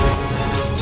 aku mau ke rumah